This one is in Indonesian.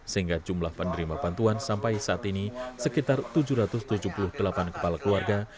sehingga jumlah penerima bantuan sampai saat ini sekitar tujuh ratus tujuh puluh delapan kepala keluarga